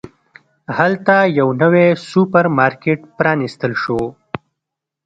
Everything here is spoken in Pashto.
هلته یو نوی سوپرمارکېټ پرانستل شو.